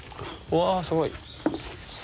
うわすごい。